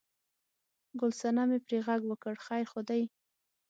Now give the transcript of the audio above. ګل صنمې پرې غږ وکړ: خیر خو دی؟